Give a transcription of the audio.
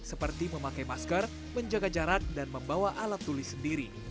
seperti memakai masker menjaga jarak dan membawa alat tulis sendiri